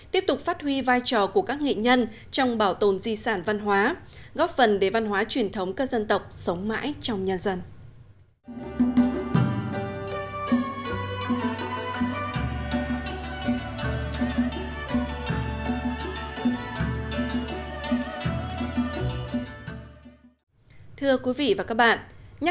tiếp tục phát huy vai trò của các nghệ nhân trong bảo tồn di sản văn hóa góp phần để văn hóa truyền thống các dân tộc sống mãi trong nhân dân